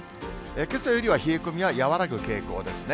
けさよりは冷え込みは和らぐ傾向ですね。